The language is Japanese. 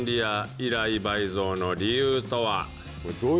依頼倍増の理由とは。